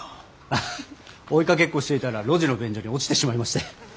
あっ追いかけっこしていたら路地の便所に落ちてしまいまして。